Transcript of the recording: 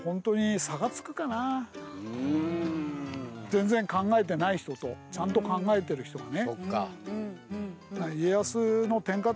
全然考えてない人とちゃんと考えてる人がね。